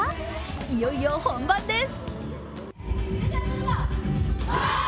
いよいよ本番です。